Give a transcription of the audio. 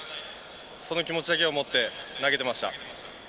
その気持ちだけを持って投げていました。